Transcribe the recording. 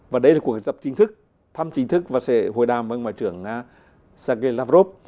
và đây là cuộc gặp chính thức thăm chính thức và sẽ hội đàm với ngoại trưởng nga sergei lavrov